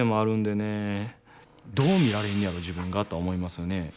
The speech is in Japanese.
どう見られんねやろ自分がとは思いますよね。